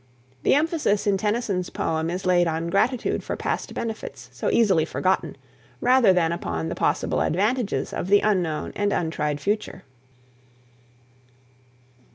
The emphasis in Tennyson's poem is laid on gratitude for past benefits so easily forgotten rather than upon the possible advantages of the unknown and untried future.